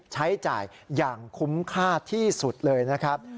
ใช้จ่ายอย่างคุ้มค่าที่สุดเลยนะครับ